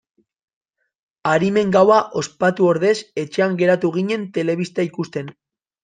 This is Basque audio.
Arimen gaua ospatu ordez etxean geratu ginen telebista ikusten.